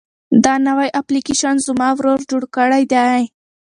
دا نوی اپلیکیشن زما ورور جوړ کړی دی.